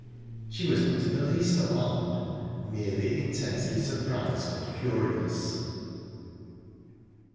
She was not in the least alarmed; merely intensely surprised and curious.